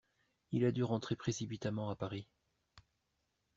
Il a dû rentrer précipitamment à Paris.